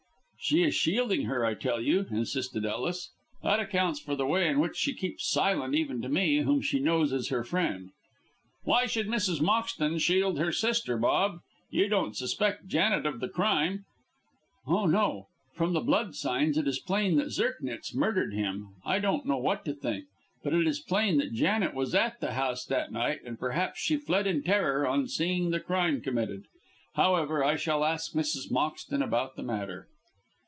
"She is shielding her, I tell you," insisted Ellis. "That accounts for the way in which she keeps silent even to me, whom she knows as her friend." "Why should Mrs. Moxton shield her sister, Bob? You don't suspect Janet of the crime?" "Oh, no. From the blood signs it is plain that Zirknitz murdered him. I don't know what to think. But it is plain that Janet was at the house that night, and perhaps she fled in terror on seeing the crime committed. However, I shall ask Mrs. Moxton about the matter."